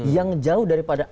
yang jauh daripada akses